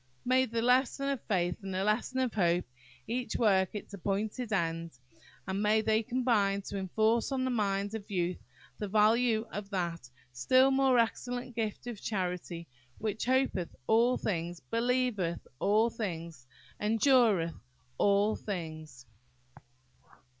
May the "Lesson of Faith" and the "Lesson of Hope" each work its appointed end, and may they combine to enforce on the mind of youth the value of that "still more excellent gift of charity," which "hopeth all things, believeth all thing, endureth all things!"